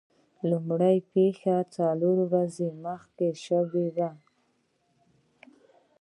لومړۍ پیښه څلور ورځې مخکې شوې وه.